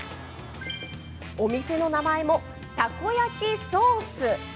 お店の名前も、たこ焼ソース。